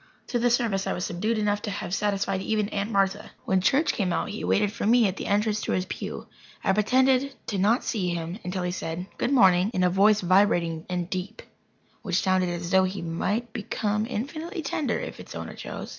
Through the service I was subdued enough to have satisfied even Aunt Martha. When church came out, he waited for me at the entrance to his pew. I pretended not to see him until he said "Good morning," in a voice vibrating and deep, which sounded as though it might become infinitely tender if its owner chose.